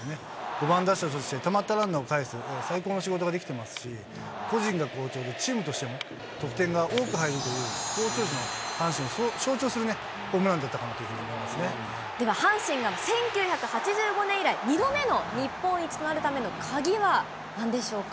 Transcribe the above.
５番打者としてたまったランナーをかえす、最高の仕事ができていますし、個人が好調で、チームとしても得点が多く入るという、好調時の阪神を象徴するホームランだったかなというふうに思いまでは、阪神が１９８５年以来、２度目の日本一となるための、鍵はなんでしょうか。